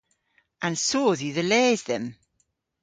An soodh yw dhe les dhymm.